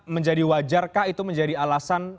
menjadi wajar kah itu menjadi alasan